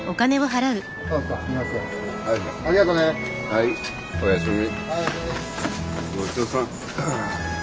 はいおやすみ。